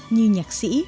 như nhạc sĩ